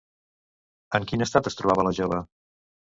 En quin estat es trobava la jove?